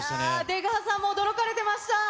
出川さんも驚かれてました。